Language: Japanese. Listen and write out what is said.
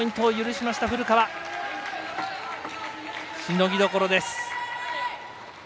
しのぎどころです。